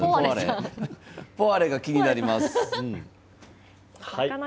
ポワレ、気になります。